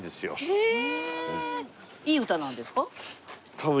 へえ。